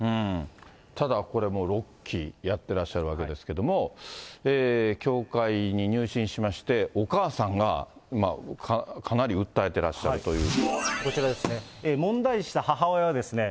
ただこれもう６期やってらっしゃるわけですけれども、教会に入信したお母さんがかなり訴えてらっしゃるという。